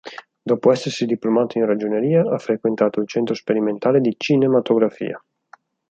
Dopo essersi diplomato in ragioneria ha frequentato il Centro Sperimentale di Cinematografia.